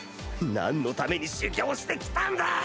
何のために修行してきたんだ！